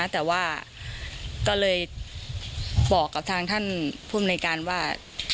แต่ว่าก็เลยบอกกับทางท่านภูมิในการว่า